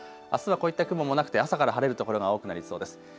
あすはこういった雲もなくて朝から晴れる所が多くなりそうです。